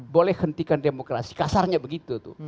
boleh hentikan demokrasi kasarnya begitu tuh